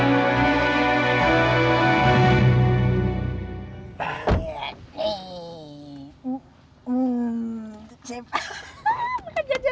batu ayam misalnyaencies penggoda